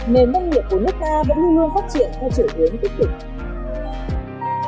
nền doanh nghiệp của nước ta vẫn luôn phát triển theo trở nguyên tích cực